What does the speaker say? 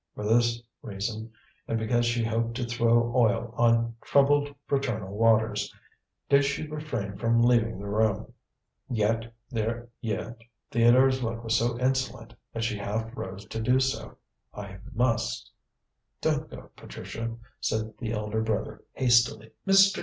For this reason, and because she hoped to throw oil on troubled fraternal waters, did she refrain from leaving the room. Yet Theodore's look was so insolent that she half rose to do so. "I must " "Don't go, Patricia," said the elder brother hastily. "Mr.